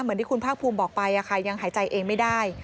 เหมือนที่คุณภาคภูมิบอกไปยังหายใจเองไม่ได้